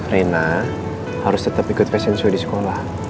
reina harus tetep ikut fashion show di sekolah